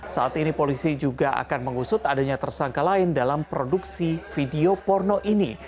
saat ini polisi juga akan mengusut adanya tersangka lain dalam produksi video porno ini